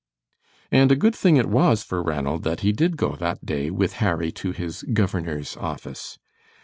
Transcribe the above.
And a good thing it was for Ranald that he did go that day with Harry to his "governor's" office.